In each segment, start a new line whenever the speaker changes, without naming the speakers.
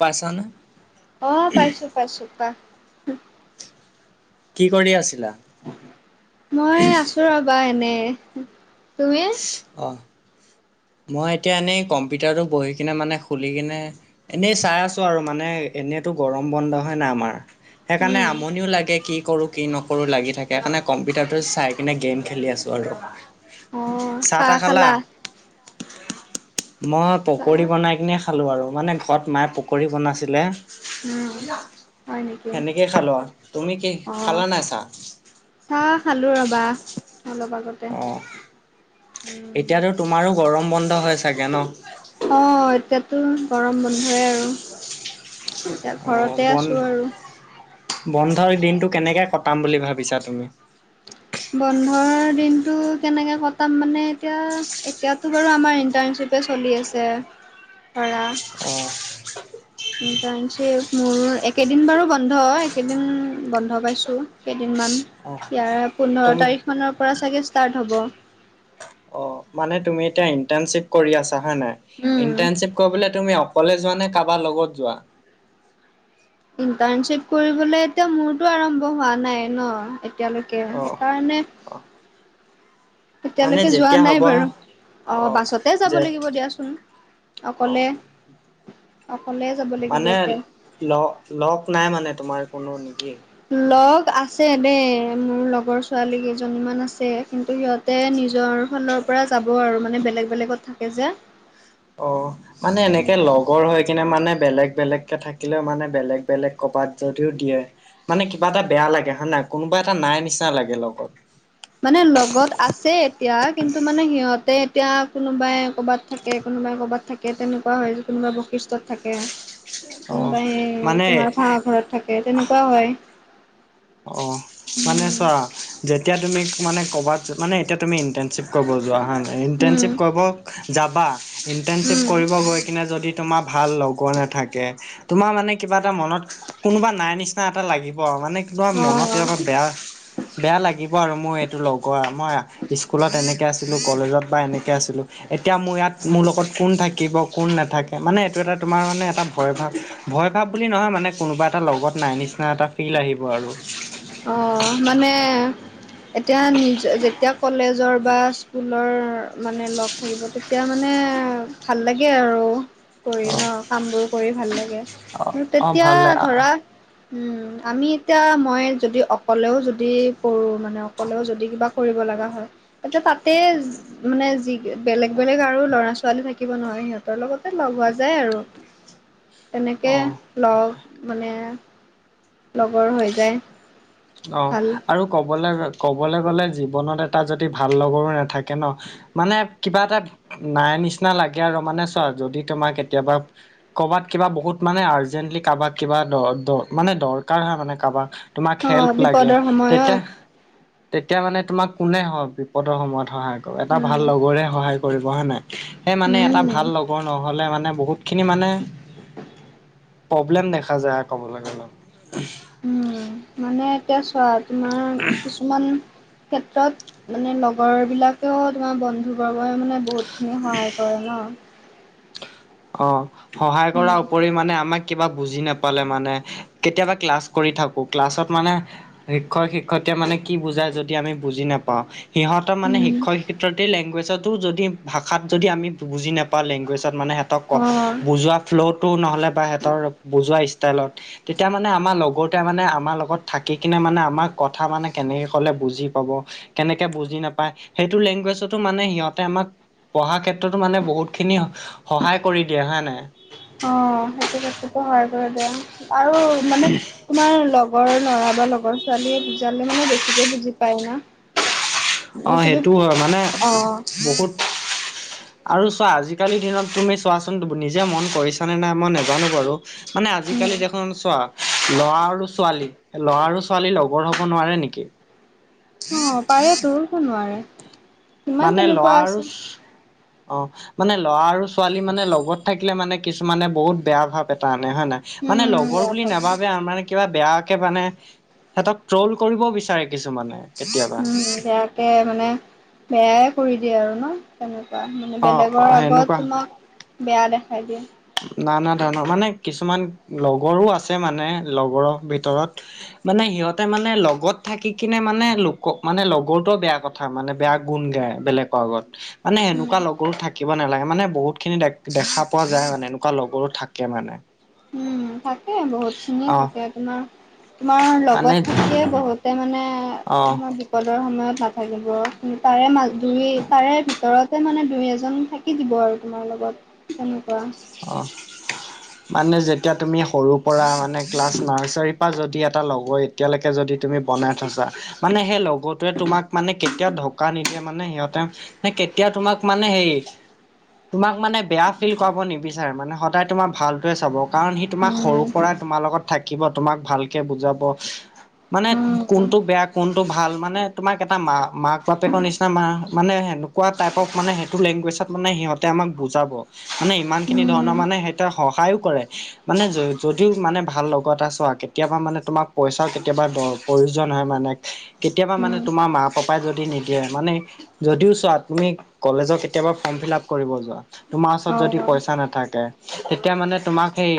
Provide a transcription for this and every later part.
পাইছা নে?
অ', পাইছোঁ পাইছোঁ পা
কি কৰি আছিলা?
মই আছোঁ ৰবা এনে তুমি।
অ', মই এতিয়া এনেই কম্পিউটাৰটো বহি কিনে মানে খুলি কিনে এনেই চাই আছোঁ আৰু মানে এনেইতো গৰম বন্ধ হয় না আমাৰ সেইকাৰণে
উম
আমনিও লাগে কি কৰো কি নকৰো লাগি থাকে সেইকাৰণে কম্পিউটাৰটো চাই কিনে গেম খেলি আছোঁ আৰু।
অ
চাহ তাহ খালা, মই
চাহ
পকৰি বনাই কিনে খালোঁ আৰু মানে ঘৰত মায়ে পকৰি বনাইছিলে।
উম হয় নেকি
সেনেকে খালো আ। তুমি কি
অ
খালা নাই চাহ?
চাহ খালো ৰবা অলপ আগতে।
অ'।
উম
এতিয়াতো তোমাৰো গৰম বন্ধ হয় চাগে ন।
অঁ, এতিয়াতো গৰম বন্ধয়ে আৰু। এতিয়া
অঁ,
ঘৰতে আছো
বন্ধ
আৰু
বন্ধৰ দিনটো কেনেকে কটাম বুলি ভাবিছা তুমি?
বন্ধৰ দিনটো কেনেকে কটাম মানে এতিয়া এতিয়াতো বাৰু আমাৰ ইণ্টাৰ্নশ্বিপ- তে চলি আছে ধৰা।
অ',
ইণ্টাৰ্নশ্বিপ মোৰো একেদিন বাৰু বন্ধ, একেদিন বন্ধ পাইছো কেইদিনমান।
অ',
ইয়াৰ পোন্ধৰ
তুমি
তাৰিখনৰ পৰা চাগে ষ্টাৰ্ট হ'ব।
মানে তুমি এতিয়া ইন্টাৰ্ণশ্বিপ কৰি আছা হয় নাই?
উম।
ইন্টাৰ্ণশ্বিপ কৰিবলে তুমি- অকলে যোৱা নে কাৰোবাৰ লগত যোৱা?
ইণ্টাৰ্ণশ্বিপ কৰিবলৈ এতিয়া মোৰতো আৰম্ভ হোৱা নাই ন- এতিয়ালৈকে।
অ',
সেইকাৰণে-
অ', মানে
এতিয়ালৈকে যোৱা
যেতিয়া হ'ব
নাই বাৰু। অঁ,
অ',
বাছতে যাব
যে
লাগিব দিয়াচোন অকলে।
অ',
অকলে যাব লাগিব
মানে
এতিয়া।
লগ লক নাই মানে তোমাৰ কোনো নেকি?
লগ আছে দেই, মোৰ লগৰ ছোৱালী কেইজনীমান আছে। কিন্তু সিহঁত- তে নিজৰ ফালৰ পৰা যাব আৰু মানে বেলেগ বেলেগত থাকে যে।
অঁ মানে এনেকে
তেনেকুৱা।
লগৰ হয়। কিনে মানে বেলেগ বেলেগকে থাকিলেও মানে বেলেগ বেলেগ কবাত যদিও দিয়ে- মানে কিবা এটা বেয়া লাগে হয় নে নাই, কোনোবা এটা নাই নিচিনা লাগে লগত।
মানে লগত আছে এতিয়া কিন্তু মানে সিহঁতে এতিয়া কোনোবাই কৰ'বাত থাকে, কোনোবাই কৰ'বাত থাকে। তাকে তেনেকুৱা হয় যে কোনোবা বশিষ্টত থাকে।
অ',
কোনোবাই হে তোমাৰ
মানে
ভাড়া ঘৰত থাকে তেনেকুৱাও হয়।
অ মানে চোৱা যেতিয়া তুমি মানে কবাত মানে এতিয়া তুমি ইণ্টাৰ্নশ্বিপ কৰিব যোৱা হা-
উম
ইণ্টাৰ্ণশ্বিপ কৰিব যাবা, ইণ্টাৰ্ণশ্বিপ
উম
কৰিব গৈ কিনে যদি- তোমাৰ ভাল লগৰ নাথাকে। তোমাৰ মানে কিবা এটা মনত কোনোবা নাই নিচিনা এটা লাগিব আৰু মানে- কিবা মনত
অ
তেওঁ বেয়া বেয়া লাগিব আৰু মোৰ এইটো লগৰ মই- স্কুলত এনেকে আছিলো, কলেজত বা এনেকে আছিলোঁ। এতিয়া মোৰ ইয়াত মোৰ লগত কোন থাকিব, কোন নাথাকে মানে এইটো এটা তোমাৰ মানে এটা ভয় ভাৱ, - ভয় ভাব বুলি নহয় মানে কোনোবা এটা লগত নাই নিচিনা এটা ফিল আহিব আৰু।
অঁ, মানে- এতিয়া নিজ যেতিয়া কলেজৰ বা স্কুলৰ মানে লগ থাকিব - তেতিয়া মানে ভাল লাগে আৰু কৰি
অ',
ন, কামবোৰ কৰি ভাল লাগে।
অ', অ',
তেতিয়া
ভাল ল
ধৰা উম, আমি এতিয়া মই- যদি অকলেও যদি কৰোঁ মানে অকলেও যদি কিবা কৰিব লগা হয়। এতিয়া তাতে- মানে যি বেলেগ বেলেগ আৰু ল'ৰা ছোৱালী থাকিব নহয়, সিহঁতৰ লগতে লগ হোৱা যায় আৰু। তেনেকে
অ',
লগ মানে- লগৰ হৈ যায়।
অঁ
ভাল
আৰু ক'বলে ক'বলে গ'লে জীৱনত এটা যদি ভাল লগৰো নাথাকে ন- মানে কিবা এটা নাই নিচিনা লাগে আৰু মানে চোৱা যদি তোমাৰ কেতিয়াবা- কৰ'বাত কিবা বহুত মানে আৰ্জেন্টলি কাৰ বাক কিবা দ দ মানে দৰকাৰ হয় মানে কাৰ বাক তোমাক হেল্প
অ',
লাগে
বিপদৰ
তেতিয়া
সময়ত
তেতিয়া মানে তোমাক কোনে সহায় বিপদৰ সময়ত সহায় কৰোঁ এটা ভাল
উম,
লগৰে সহায় কৰিব হয় নাই সেই মানে এটা
উম।
ভাল লগ নহ'লে মানে বহুতখিনি মানে প্ৰব্লেম দেখা যায় ক'বলৈ গ'লে।
উম মানে এতিয়া চোৱা তোমাৰ কিছুমান ক্ষেত্ৰত মানে লগৰবিলাকেও তোমাৰ বন্ধুবৰ্গই মানে বহুত আমি সহায় কৰে ন।
অ সহায়
উম,
কৰাৰ উপৰি মানে আমাক কিবা বুজি নাপালে মানে কেতিয়াবা ক্লাছ কৰি থাকোঁ। ক্লাছত মানে শিক্ষক শিক্ষয়িত্ৰীয়ে মানে কি বুজাই যদি আমি বুজি নাপাওঁ। সিহঁতৰ মানে
উম,
শিক্ষক শিক্ষয়িএী লেংগুৱেজত যদি ভাষাত যদি আমি বুজি নাপাওঁ লেংগুৱেজত মানে সিহঁতক
অ',
বুজোৱাত ফ্ল'টো নহ'লে বা সিহঁতৰ বুজোৱা ষ্টাইলত তেতিয়া মানে আমাৰ লগৰটোৱে মানে আমাৰ লগত থাকি কিনে মানে আমাৰ কথা মানে কেনেকে ক'লে বুজি পাব। কেনেকে বুজি নাপায়। সেইটো লেংগুৱেজতো মানে সিহঁতে আমাক পঢ়া ক্ষেত্ৰতো মানে বহুত খিনি সহায় কৰি দিয়ে হয় নাই।
অ সেইটো ক্ষেত্ৰতো সহায় কৰে দিয়া আৰু মানে তোমাৰ লগৰ ল'ৰা বা লগ লগৰ ছোৱালীয়ে বুজালে মানে বেছিকে বুজি পায় না।
অ'
মোৰটো
সেইটোও হয় মানে
বিষ অ
বহুত আৰু চোৱা আজিকালিৰ দিনত তুমি চোৱাচোন নিজে মন কৰিছানে নাই মই নাজানো বাৰু মানে
উম,
আজিকালি দেখোন চোৱা ল'ৰা আৰু ছোৱালী। ল'ৰা আৰু ছোৱালী লগৰ হ'ব নোৱাৰে নেকি?
অ পাৰেতো কিয় নোৱাৰে, কিমান
মানে
তেনেকুৱা
ল'ৰা আৰু
আছে।
অ মানে ল'ৰা আৰু ছোৱালী মানে লগত থাকিলে মানে কিছুমানে বহুত বেয়া ভাৱ এটা আনে হয় নে? মানে
উম,
লগৰ
বেয়া
বুলি
ভাৱ
নাভাবে মানে আমাৰ কিবা বেয়াকে মানে সিহঁতক ট্ৰল কৰিব বিচাৰে কিছুমানে কেতিয়াবা
উম উম বেয়াকে মানে বেয়াই কৰি দিয়ে আৰু ন তেনেকুৱা মানে
অ'
বেলেগৰ
অ'
আগত
সেনেকুৱা
তোমাক বেয়া দেখাই দিয়ে।
নানা ধৰণৰ মানে কিছুমান লগৰো আছে মানে লগৰৰ ভিতৰত মানে সিহঁতে মানে লগত থাকি কিনে মানে লোকক মানে লগৰটো বেয়া কৰে। কথা মানে বেয়া গুণ গায় বেলেগৰ আগত মানে
উম
সেনেকুৱা লগৰ থাকিব নালাগে মানে বহুত খিনি দে দেখা পোৱা যায় মানে এনেকুৱা লগৰো থাকে মানে।
উম থাকে বহুত খিনিয়ে
অ
থাকে তোমাৰ তোমাৰ
মানে
লগত থাকিয়ে বহুতে মানে
অ
তোমাৰ বিপদৰ সময়ত নাথাকিব কিন্তু তাৰে মাজ তাৰে ভিতৰত ত মানে দুই এজন থাকি দিব আৰু তোমাৰ লগত তেনেকুৱা
অঁ মানে যেতিয়া তুমি সৰু পৰা মানে ক্লাছ নাৰ্চাৰীৰ পৰা যদি এটা লগৰ এতিয়ালৈকে যদি তুমি বনাই থৈছাঁ। মানে সেই লগৰটোৱে তোমাক মানে কেতিয়াও ধকা নিদিয়ে। মানে সিহঁতে কেতিয়াও তোমাক মানে হে তোমাক মানে বেয়া ফিল কৰা নিবি চাৰে মানে সদায় তোমাৰ ভালটোৱে চাব। কাৰণ সি তোমাক
উম
সৰুৰ পৰাই তোমাৰ লগত থাকিব তোমাক ভাল কে বুজাব মানে
উম
কোনটো বেয়া কোনটো ভাল মানে তোমাক এটা মা মাক বাপেকৰ নিচিনা মা মানে হে টাই অফ মানে সেইটো লেংগুৱেজত মানে সিহঁতে আমাক বুজাব মানে ইমান খিনি ধৰণৰ
উম
মানে সিহঁতে সহায়ো কৰে। মানে যদিও মানে ভাল লগত এটা ছোৱা কেতিয়াবা মানে তোমাক পইচাও কেতিয়াবা দ প্ৰয়োজন হয় মানে কেতিয়াবা মানে
উম
তোমাৰ মা পাপাই যদি নিদিয়ে, মানে যদিও চোৱা তুমি কলেজ কেতিয়াবা ফৰ্ম ফিলাপ কৰিব যোৱা তোমাৰ ওচৰত
অ
যদি পইচ নাথাকে। তেতিয়া মানে তোমাক সেই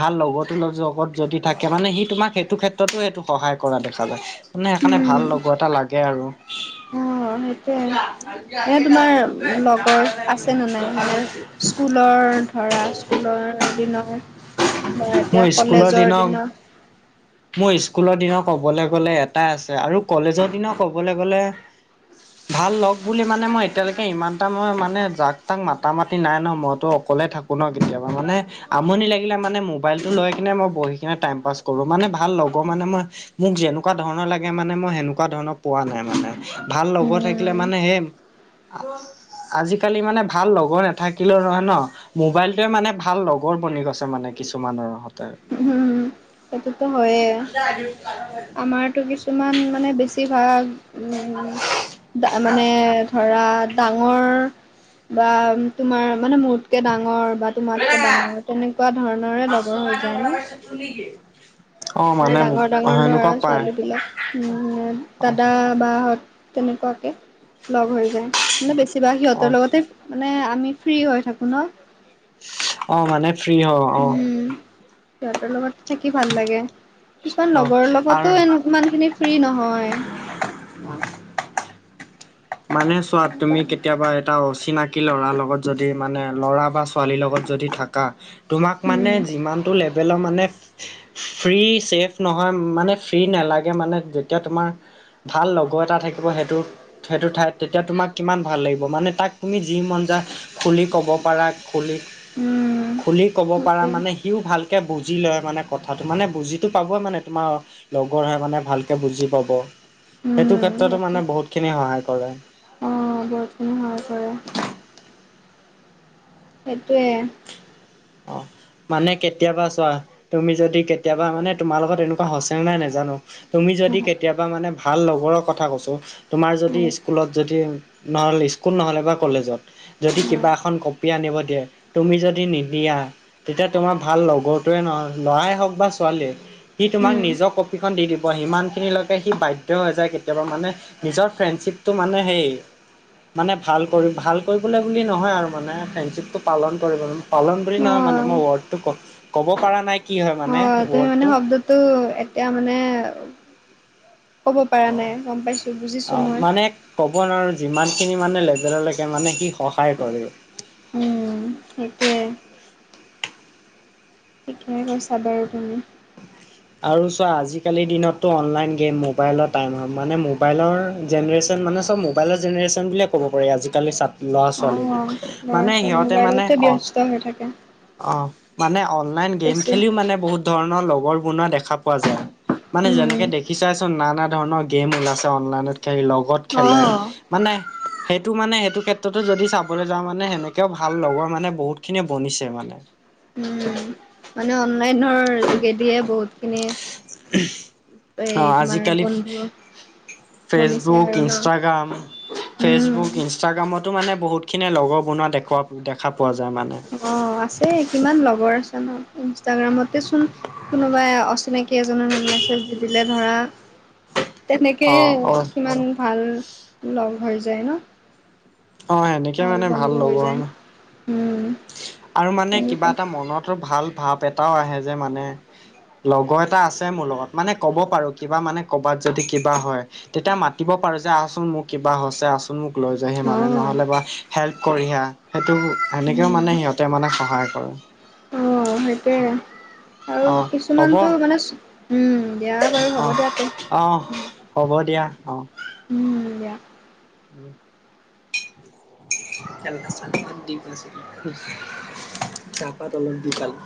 ভাল লগৰটো লগত যদি থাকে মানে সি তোমাক সেইটো ক্ষেত্ৰতো সেইটো সহায় কৰা দেখা যায়। মানে সেইকাৰণে
উম
ভাল লগো এটা লাগে আৰু
অ', সেইটোৱে এনে তোমাৰ লগৰ আছে নে নাই মানে স্কুলৰ? ধৰা স্কুলৰ দিনৰ বা
মোৰ
এতিয়া
স্কুলৰ
কলেজৰ দিনৰ
মোৰ স্কুলৰ দিনা ক'বলৈ গ'লে এটা আছে আৰু কলেজৰ দিনৰ ক'বলৈ গ'লে ভাল লগ বুলি মানে মই এতিয়ালৈকে ইমান এটা মই মানে যাক তাক মাতা মাতি নাই ন মদ ত', অকলে থাকো ন কেতিয়াবা মানে আমনি লাগিলে মানে মোবাইলটো লৈ কিনে মই বহি কিনে টাইম পাছ কৰো। মানে ভাল লগ মানে মই মোক যেনেকুৱা ধৰণৰ লাগে, মানে মই সেনেকুৱা ধৰণৰ পোৱা নাই মানে ভাল লগৰ থাকিলে
উম
মানে হেই আজিকালি মানে ভাল লগৰ নাথাকিলেও ন মোবাইলটোৱে মানে ভাল লগৰ বনি গৈছে মানে কিছুমানৰ হতে
উম সেইটোতো হয়য়ে। আমাৰতো কিছুমান মানে বেছিভাগ উম', মানে ধৰা ডাঙৰ বা তোমাৰ মানে মোতকে ডাঙৰ বা তোমাতকে ডাঙৰ তেনেকুৱা ধৰণৰে লগৰ হৈ যায় ন?
অ', মানে
ডাঙৰ ডাঙৰ ল'ৰা
সেনেকুৱা পায়।
ছোৱালীবিলাক
অ
দাদা বা হঁত তেনেকুৱাকে লগ হৈ যায়, মানে বেছিভাগ
অ
সিহঁতৰ লগতে মানে আমি ফ্ৰী হৈ থাকো ন?
অ', মানে ফ্ৰী হও অ,
উম সিহঁতৰ লগত থাকি ভাল লাগে। কিছুমান
অ
লগৰৰ
আৰু
লগতো এনো ইমানখিনি ফ্ৰী নহয় অ,
মানে চোৱা তুমি কেতিয়াবা এটা অচিনাকি ল'ৰাৰ লগত যদি মানে ল'ৰা বা ছোৱালীৰ লগত যদি থাকা। তোমাক মানে যিমানটো লেভেলৰ মানে ফ্ৰী ছেফ নহয় মানে ফ্ৰী নালাগে মানে যেতিয়া তোমাৰ ভাল লগৰ এটা থাকিব সেইটো সেইটো ঠাইত তেতিয়া তোমাক কিমান ভাল লাগিব মানে তাক তুমি যি মন যায়। খুলি ক'ব পাৰা খুলি
উম
খুলি ক'ব পাৰা
সেইটোৱে
মানে সিও ভালকৈ বুজি লয় মানে কথাটো মানে বুজিটো পাবই মানে তোমাৰ লগৰহে মানে ভালকে বুজি পাব। সেইটো
উম
ক্ষেত্ৰতো
সেইটো
মানে বহুত খিনি সহায় কৰে।
অ', বহুতখিনি সহায় কৰে। সেইটোৱে।
অ', মানে কেতিয়াবা চোৱা। তুমি যদি কেতিয়াবা মানে তোমাৰ লগত এনেকুৱা হৈছে নে নাই নেজানো? তুমি যদি
উম
কেতিয়াবা মানে ভাল লগৰৰ কথা কৈছো, তোমাৰ যদি স্কুলত যদি নহ'লে স্কুল নহলে বা কলেজত, যদি
উম
কিবা এখন কপি আনিব দিয়ে। তুমি যদি নি দিয়া, তেতিয়া তোমাৰ ভাল লগৰটোৱে নহয় লৰাই হওক বা ছোৱালীয়ে। সি তোমাক নিজৰ
উম
কপিখন দি দিব। সিমানখিনিলৈকে সি বাধ্য হৈ যায় কেতিয়াবা মানে। নিজৰ ফ্ৰেণ্ডশ্বিপটো মানুহে সেই মানে ভাল কৰি ভাল কৰিবলে বুলি নহয় আৰু মানে ফ্ৰেণ্ডশ্বিপটো পালন কৰিবলও। পালন বুলি নহয় মানে। মই
অ
ৱৰ্ডটো ক-ক'ব পাৰা নাই। কি মানে
হয়, তুমি মানে
ৱৰ্ডটো
শব্দতটো এতিয়া মানে ক'ব পৰা নাই, গম পাইছো, বুজিছো
অ
মই।
মানে ক'ব নোৱাৰো, যিমান খিনি মানে লেভেললৈকে মানে সি সহায় কৰে।
উম, সেইটোৱে। ঠিকেই কৈছা বাৰু তুমি।
আৰু চোৱা আজিকালিৰ দিনততো অনলাইন গেম মোবাইলৰ টাইম হয়। মানে মোবাইলৰ জেনেৰেশন মানে চব মোবাইলৰ জেনেৰেশন বুলিয়ে ক'ব পাৰি। আজিকালি [unintelligible] ল'ৰা
অ
ছোৱালীবোক।
ল'ৰা
মানে
ছোৱালী
সিহঁতে মানে
মোবাইলতে
অ।
ব্যস্ত হৈ থাকে
অ', মানে অনলাইন গেম
বেছি
খেলিও মানে বহুত ধৰণৰ লগৰ বনোৱা দেখা পোৱা যায়। মানে
উম
যেনেকে দেখিচাইচোন নানা ধৰণৰ গেম ওলাইছে অনলাইনত খে লগত
অ
খেলে। মানে সেইটো মানে সেইটো ক্ষেত্ৰতো যদি চাবলৈ যাওঁ মানে সেনেকেও ভাল লগৰ মানে বহুত খিনিয়ে বনিছে মানে।
উম। মানে অনলাইনৰ যোগেদিয়ে বহুত খিনি
[inaudible] অ', আজিকালি
বন্ধু
[inaudible]
বনিছে
ফেচবুক,
আৰু ন
ইনষ্টাগ্ৰাম।
উম
ফেচবুক ইনষ্টাগ্ৰামতো মানে বহুতখিনিয়ে লগৰ বনোৱা দেখুৱা-দেখা পোৱা যায় মানে।
অ', আছে কিমান লগৰ আছে ন, ইনষ্টাগ্ৰামতে চোন কোনোবাই অচিনাকি এজনে মেছেজ দি দিলে ধৰা তেনেকে
অ অ
কিমান ভাল লগ হৈ যায় ন।
অ', সেনেকে মানে ভাল
বন্ধু হৈ
লগৰ
যায়
[unintelligible]
উম
আৰু মানে কিবা
তেনেকুৱা
এটা মনতো ভাল ভাৱ এটাও আহে যে মানে লগৰ এটা আছে মোৰ লগত, মানে ক'ব পাৰো কিবা মানে কৰ'বাত যদি কিবা হয়। তেতিয়া মাতিব পাৰো যে আহচোন মোৰ কিবা হৈছে, আহচো চোন মোক লৈ যোৱাহি
অ
মানে নহলে বা হেল্প কৰি হি আহ, সেইটো সেনেকেও
উম
মানে সিহঁতে মানে সহা কৰে।
অ', সেইটোৱে।
অ
আৰু
হ'ব
কিছুমানটো মানে চো- উম। দিয়া বাৰু
অ
হ'ব দিয়া তে।
অ', হ'ব দিয়া অ'।
উম, দিয়া।
[unintelligible] [inaudible] চাহপাত অলপ দি পালো।